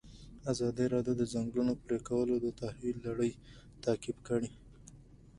ازادي راډیو د د ځنګلونو پرېکول د تحول لړۍ تعقیب کړې.